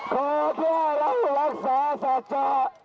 ขอเพื่อรักษาสัตว์จะ